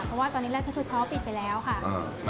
เพราะว่าตอนนี้แรกก็คือท้อปิดไปแล้วค่ะ